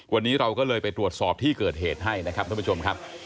วันนี้เราก็เลยไปตรวจสอบที่เกิดเหตุให้นะครับท่านผู้ชมครับ